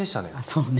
そうね。